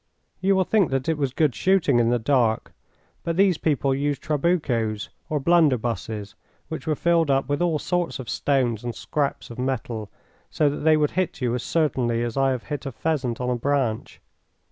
You will think that it was good shooting in the dark, but these people used trabucos, or blunderbusses, which were filled up with all sorts of stones and scraps of metal, so that they would hit you as certainly as I have hit a pheasant on a branch.